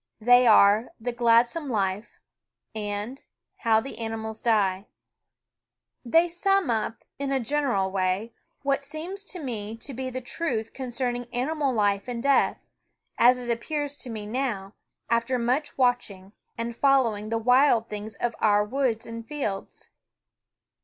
They are The Gladsome Life and How the Animals Die. They sum up, in a general way, what seems to me to be the truth concerning animal life and death, as it appears to me now, after much watching and following the wild things of our woods and fields.